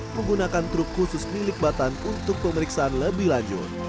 menggunakan truk khusus milik batan untuk pemeriksaan lebih lanjut